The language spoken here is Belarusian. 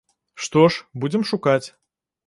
Што ж, будзем шукаць.